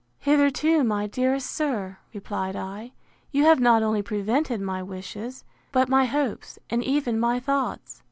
Hitherto, my dearest sir, replied I, you have not only prevented my wishes, but my hopes, and even my thoughts.